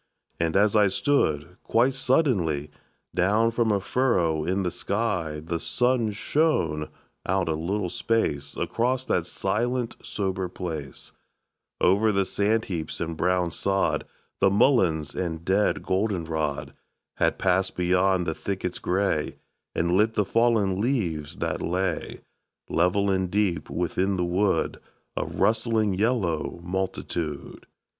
And as I stood, quite suddenly, Down from a furrow in the sky The sun shone out a little space Across that silent sober place, Over the sand heaps and brown sod, The mulleins and dead goldenrod, And passed beyond the thickets gray, And lit the fallen leaves that lay, Level and deep within the wood, A rustling yellow multitude.